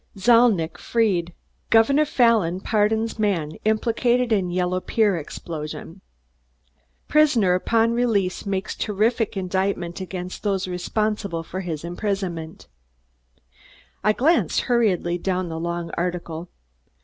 ZALNITCH FREED GOVERNOR FALLON PARDONS MAN IMPLICATED IN YELLOW PIER EXPLOSION Prisoner Upon Release Makes Terrific Indictment Against Those Responsible for His Imprisonment I glanced hurriedly down the long article.